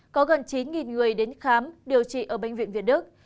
có gần chín người đến khám điều trị ở bệnh viện việt đức